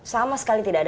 sama sekali tidak ada